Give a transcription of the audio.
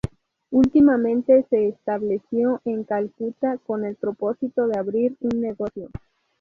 Últimamente se estableció en Calcuta, con el propósito de abrir un negocio.